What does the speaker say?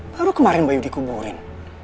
baru kemarin bayu dikuburin